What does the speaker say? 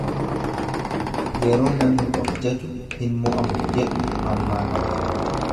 Yeroo namni of jaju, hin mo'amu jedhu mammaakama.